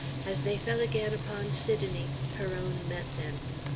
As they fell again upon Sidonie, her own met them.